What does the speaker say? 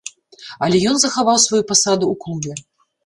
Але ён захаваў сваю пасаду ў клубе.